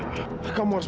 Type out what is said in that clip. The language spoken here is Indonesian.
ya allah gimana ini